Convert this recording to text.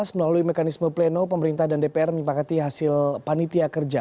melalui mekanisme pleno pemerintah dan dpr menyepakati hasil panitia kerja